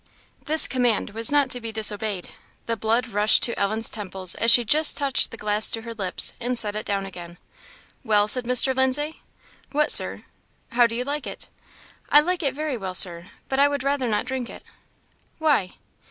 This command was not to be disobeyed. The blood rushed to Ellen's temples as she just touched the glass to her lips, and set it down again. "Well?" said Mr. Lindsay. "What, Sir?" "How do you like it?" "I like it very well, Sir, but I would rather not drink it." "Why?"